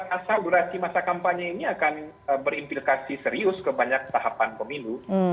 asal durasi masa kampanye ini akan berimplikasi serius ke banyak tahapan pemilu